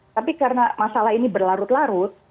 tapi karena masalah ini berlarut larut